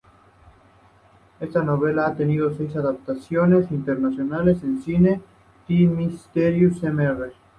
Esta novela ha tenido seis adaptaciones internacionales al cine: "The Mysterious Mr.